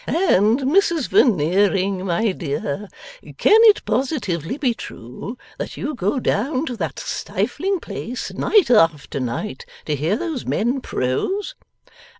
And Mrs Veneering, my dear, can it positively be true that you go down to that stifling place night after night, to hear those men prose?